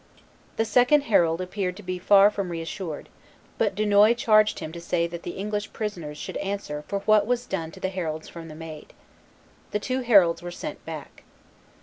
The second herald appeared to be far from reassured; but Dunois charged him to say that the English prisoners should answer for what was done to the heralds from the Maid. The two heralds were sent back.